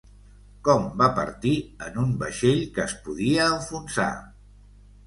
Com va partir en un vaixell que es podia enfonsar?